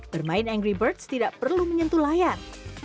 bermain engry birds tidak perlu menyentuh layar